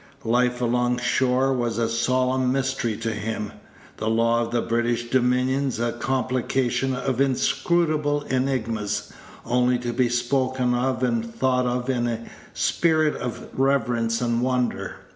Life along shore was a solemn mystery to him the law of the British dominions a complication of inscrutable enigmas, only to be spoken of and thought of in a spirit of reverence and wonder.